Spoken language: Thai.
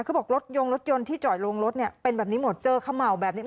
เขาบอกรถยงรถยนต์ที่จอดลงรถเนี่ยเป็นแบบนี้หมดเจอเขม่าแบบนี้